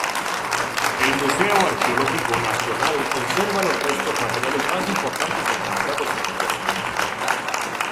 El Museo Arqueológico Nacional conserva los restos materiales más importantes encontrados en el yacimiento.